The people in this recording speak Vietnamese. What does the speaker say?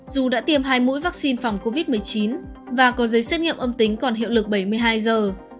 dù đã tiêm hai mũi vaccine phòng covid một mươi chín và có giấy xét nghiệm âm tính còn hiệu lực bảy mươi hai giờ